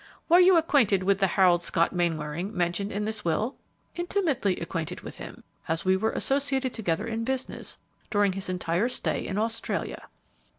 "Were you acquainted with the Harold Scott Mainwaring mentioned in this will?" "Intimately acquainted with him, as we were associated together in business during his entire stay in Australia."